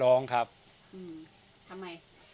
ร้องครับทำไม